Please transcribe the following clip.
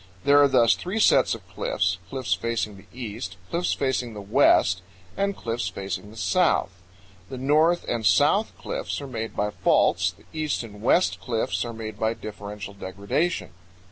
There are thus three sets of cliffs: cliffs facing the east, cliffs facing the west, and cliffs facing the south. The north and south cliffs are made by faults; the east and west cliffs are made by differential degradation.